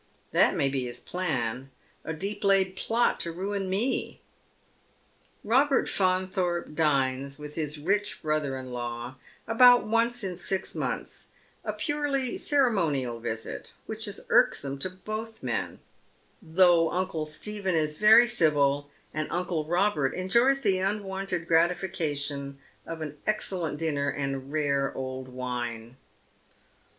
That may be his plan — a deep laid plot to ruin me." Robert Faunthorpe dines with his rich brother in law about once in six months, a purely ceremonial visit, which is irksome to both men, though uncle Stephen is very civil, and uncle Robert enjoys the unwonted gratification of an excellent dinner and rare old wine.